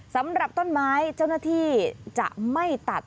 สำหรับต้นไม้เจ้าหน้าที่จะไม่ตัด